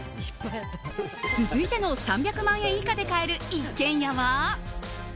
続いての３００円以内で買える一軒家は。